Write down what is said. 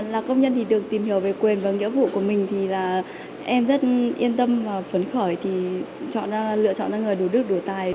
là công nhân thì được tìm hiểu về quyền và nghĩa vụ của mình thì là em rất yên tâm và phấn khởi thì chọn ra lựa chọn cho người đủ đức đủ tài